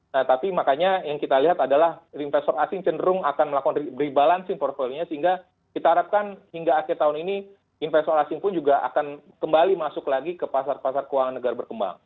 nah tapi makanya yang kita lihat adalah investor asing cenderung akan melakukan rebalancing portfolio nya sehingga kita harapkan hingga akhir tahun ini investor asing pun juga akan kembali masuk lagi ke pasar pasar keuangan negara berkembang